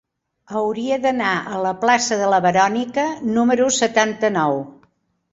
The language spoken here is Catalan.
Hauria d'anar a la plaça de la Verònica número setanta-nou.